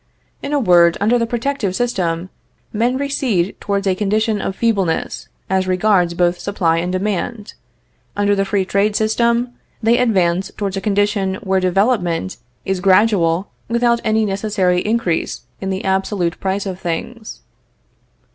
In a word, under the protective system men recede towards a condition of feebleness as regards both supply and demand; under the free trade system, they advance towards a condition where development is gradual without any necessary increase in the absolute prices of things.